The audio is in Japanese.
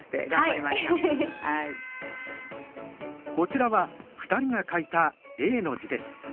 こちらは２人が書いた「永」の字です。